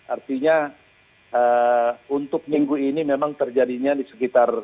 artinya untuk minggu ini memang terjadinya di sekitar